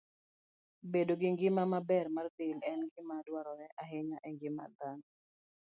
Bedo gi ngima maber mar del en gima dwarore ahinya e ngima dhano.